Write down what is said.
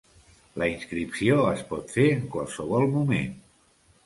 La inscripció es pot fer en qualsevol moment.